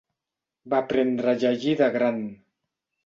Va aprendre a llegir de gran.